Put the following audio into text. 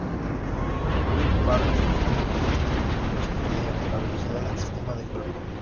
Wii Party omite esto mediante la velocidad del sistema de juego".